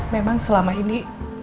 memang selama ini